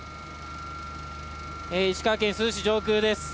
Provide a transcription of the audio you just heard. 石川県珠洲市上空です。